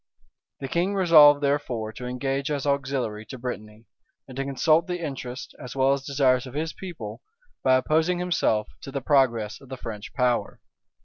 The king resolved therefore to engage as auxiliary to Brittany; and to consult the interests, as well as desires of his people, by opposing himself to the progress of the French power.